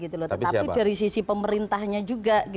tetapi dari sisi pemerintahnya juga